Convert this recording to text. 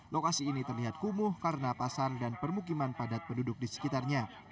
lokasi ini terlihat kumuh karena pasar dan permukiman padat penduduk di sekitarnya